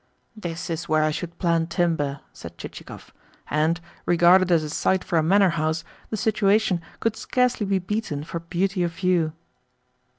"This is where I should plant timber," said Chichikov. "And, regarded as a site for a manor house, the situation could scarcely be beaten for beauty of view."